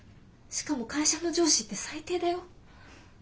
しかも会社の上司って最低だよ。